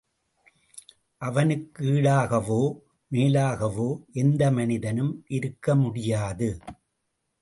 அவனுக்கு ஈடாகவோ, மேலாகவோ எந்த மனிதனும் இருக்க முடியாது.